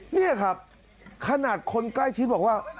นี่ครับขนาดคนใกล้ชิดบอกว่า